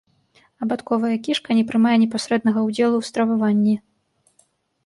Абадковая кішка не прымае непасрэднага ўдзелу ў страваванні.